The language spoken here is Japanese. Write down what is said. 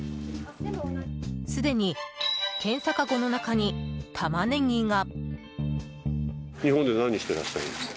すでに検査かごの中にタマネギが。